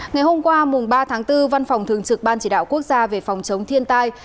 ngày hôm qua ba tháng bốn văn phòng thường trực ban chỉ đạo quốc gia về phòng chống thiên tai